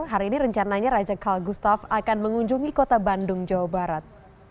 hari ini rencananya raja karl gustav akan mengunjungi kota bandung jawa barat